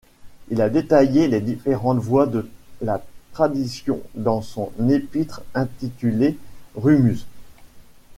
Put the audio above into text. Il a détaillé les différentes voies de la tradition dans son épître intitulée Rumūz.